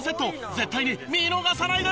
絶対に見逃さないで！